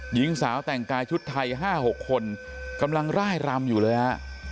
หญิงสาวแต่งกายชุดไทย๕๖คนกำลังร่ายรำอยู่เลยฮะ